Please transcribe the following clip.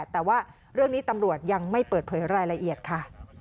แต่ว่าเรื่องนี้ตำรวจยังไม่เปิดเผยรายละเอียดค่ะ